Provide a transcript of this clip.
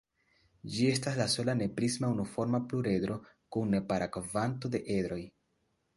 Ĝi estas la sola ne-prisma unuforma pluredro kun nepara kvanto de edroj.